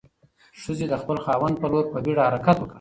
ښځې د خپل خاوند په لور په بیړه حرکت وکړ.